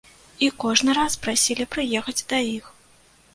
І кожны раз прасілі прыехаць да іх.